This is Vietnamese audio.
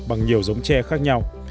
bằng nhiều giống tre khác nhau